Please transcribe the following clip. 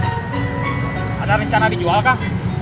ada rencana dijual kang